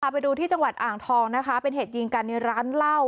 ไปดูที่จังหวัดอ่างทองนะคะเป็นเหตุยิงกันในร้านเหล้า